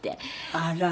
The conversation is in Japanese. あら。